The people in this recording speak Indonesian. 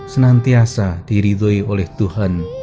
senantiasa diridhoi oleh tuhan